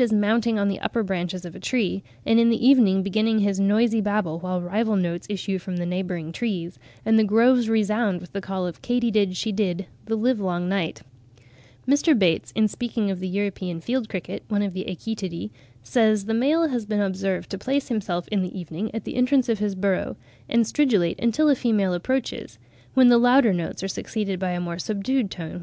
as mounting on the upper branches of a tree, and in the evening beginning "his noisy babble, while rival notes issue from the neighbouring trees, and the groves resound with the call of Katy did she did the live long night." Mr. Bates, in speaking of the European field cricket (one of the Achetidae), says "the male has been observed to place himself in the evening at the entrance of his burrow, and stridulate until a female approaches, when the louder notes are succeeded by a more subdued tone, whilst the successful musician caresses with his antennae the mate he has won."